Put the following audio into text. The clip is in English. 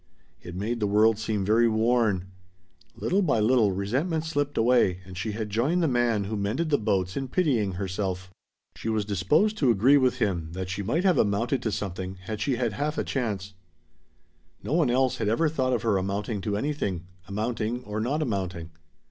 It made the world seem very worn. Little by little resentment slipped away and she had joined the man who mended the boats in pitying herself. She was disposed to agree with him that she might have amounted to something had she had half a chance. No one else had ever thought of her amounting to anything amounting, or not amounting.